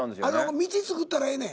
道作ったらええねん。